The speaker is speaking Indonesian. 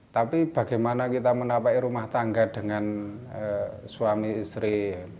tapi bagaimana kita menapai rumah tangga dengan suami istri